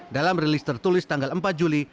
dalam rilis tertulis tanggal empat juli